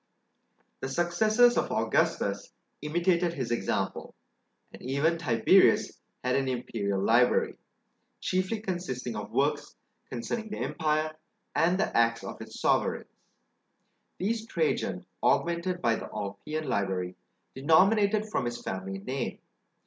The successors of Augustus imitated his example, and even Tiberius had an imperial library, chiefly consisting of works concerning the empire and the acts of its sovereigns. These Trajan augmented by the Ulpian library, denominated from his family name.